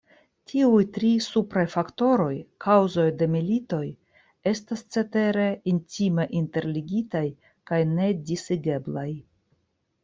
Tiuj tri supraj faktoroj, kaŭzoj de militoj estas cetere intime interligitaj kaj nedisigeblaj.